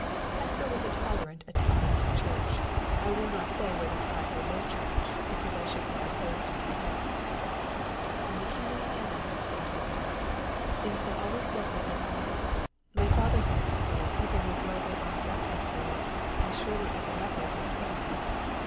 Hesper was a tolerable attendant at church I will not say whether high or low church, because I should be supposed to care. "In the kingdom of heaven," answered Mary, "things will always look what they are. My father used to say people will grow their own dresses there, as surely as a leopard his spots.